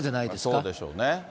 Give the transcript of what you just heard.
そうでしょうね。